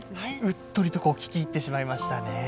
うっとりと聞き入ってしまいましたね。